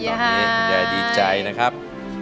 ตอนนี้คุณยายดีใจนะครับ